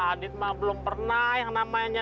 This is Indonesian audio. aditma belum pernah yang namanya